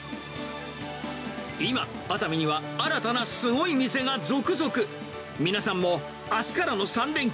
今、熱海には新たなすごい店が続